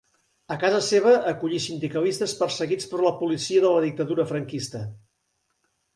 A casa seva acollí sindicalistes perseguits per la policia de la dictadura franquista.